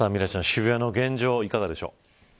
渋谷の現状いかがでしょう。